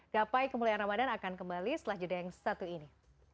gapai kemuliaan ramadan akan kembali setelah jeda yang satu ini